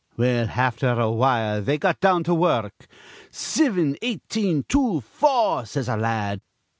Well, afther awhile they got down to wur ruk. 'Sivin, eighteen, two, four,' says a la ad.